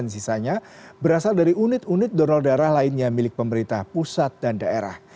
sisanya berasal dari unit unit donor darah lainnya milik pemerintah pusat dan daerah